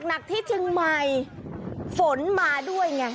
หนักที่เชียงใหม่ฝนมาด้วยไง